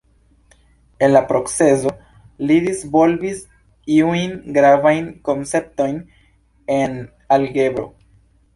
En la procezo, li disvolvis iujn gravajn konceptojn en algebro.